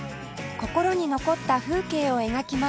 心に残った風景を描きます